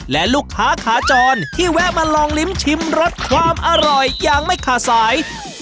และลูกค้าขาจรที่แวะมาลองลิ้มชิมรสความอร่อยอย่างไม่ขาดสาย